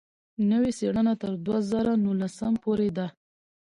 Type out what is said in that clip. نوې څېړنه تر دوه زره نولسم پورې ده.